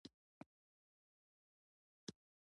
هېڅ ډول طبیعي مواد په کې نه دي کار شوي.